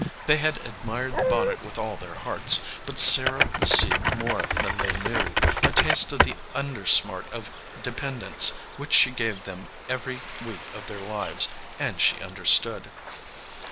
They had admired the bonnet with all their hearts. But Sarah received more than they knew, a taste of the undersmart of dependence which she gave them every week of their lives, and she under stood.